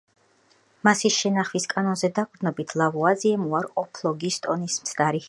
მასის შენახვის კანონზე დაყრდნობით ლავუაზიემ უარყო ფლოგისტონის მცდარი ჰიპოთეზა.